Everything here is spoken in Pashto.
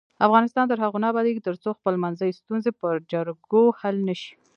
افغانستان تر هغو نه ابادیږي، ترڅو خپلمنځي ستونزې په جرګو حل نشي.